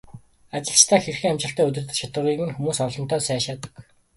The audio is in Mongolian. Ажилчдаа хэрхэн амжилттай удирддаг чадварыг минь хүмүүс олонтаа сайшаадаг.